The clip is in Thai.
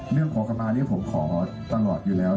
เรื่องขอกระมาณนี้ผมขอตลอดอยู่แล้ว